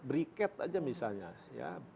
briked aja misalnya